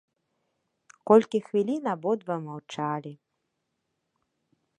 Колькі хвілін абодва маўчалі.